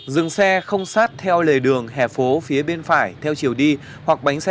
dừng xe không sát theo lề đường hẻ phố phía bên phải theo chiều đi hoặc bánh xe